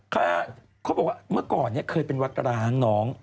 เขาบอกว่าเมื่อก่อนเนี่ยเคยเป็นวัดร้างน้อง